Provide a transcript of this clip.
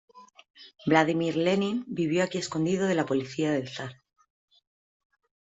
Vladimir Lenin vivió aquí escondido de la policía del Zar.